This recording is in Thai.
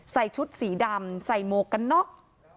ใส่ชุดสีดำใส่โมกกะน็อก